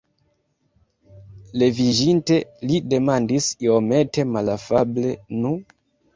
Leviĝinte li demandis iomete malafable: "Nu?"